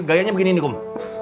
gayanya begini nih kum